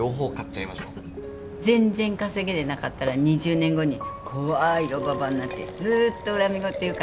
全然稼げてなかったら２０年後に怖いおばばになってずーっと恨み言言うからね